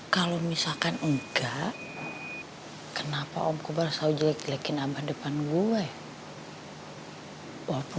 kalau misalkan enggak kenapa om kubar selalu jelek jelekin abah depan gue